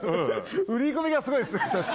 売り込みがすごいですね社長。